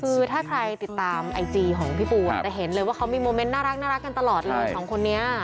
คือถ้าใครติดตามไอจีของพี่ปูจะเห็นเลยว่าเขามีโมเมนต์น่ารักกันตลอดเลยสองคนนี้